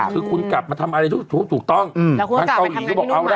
คือคุณกลับมาทำอะไรทุกถูกต้องอืมแล้วคุณกลับไปทำงานที่นู่นใหม่